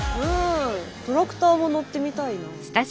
トラクターも乗ってみたいな。